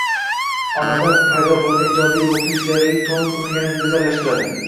Onada paydo bo‘ladigan ijobiy ruhiy-fiziologik tonus uni yanada go‘zallashtiradi.